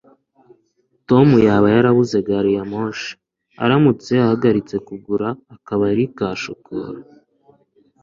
tom yaba yarabuze gari ya moshi aramutse ahagaritse kugura akabari ka shokora